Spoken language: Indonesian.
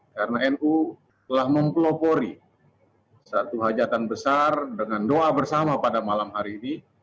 karena nu telah menggelopori satu hajatan besar dengan doa bersama pada malam hari ini